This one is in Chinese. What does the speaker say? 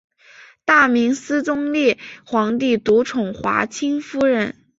大明思宗烈皇帝独宠华清夫人。